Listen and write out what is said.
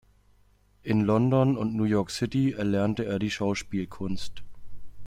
In London und in New York City erlernte er die Schauspielkunst.